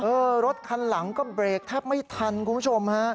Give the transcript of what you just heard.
รถคันหลังก็เบรกแทบไม่ทันคุณผู้ชมฮะ